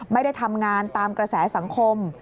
ไม่ได้ทำงานตามกระแสสังคม